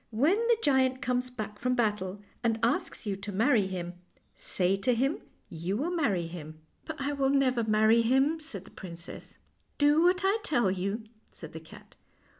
When the giant comes back from battle and asks you to marry him, say to him you will marry him." 12G FAIRY TALES " But I will never marry him," said the princess. " Do what I tell you," said the cat.